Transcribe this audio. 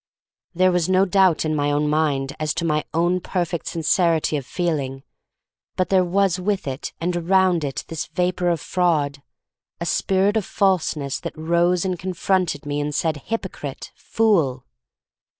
There was no doubt in my own mind as to my own perfect sincerity of feeling, but there was with it and around it this vapor of fraud, a spirit of falseness that rose and con fronted me and said, "hypocrite," "fool."